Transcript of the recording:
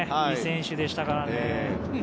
いい選手でしたからね。